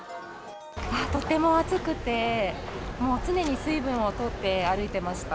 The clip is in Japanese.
とても暑くて、もう常に水分をとって歩いてました。